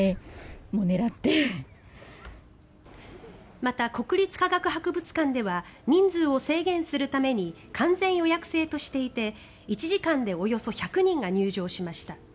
また、国立科学博物館では人数を制限するために完全予約制としていて１時間でおよそ１００人が入場しました。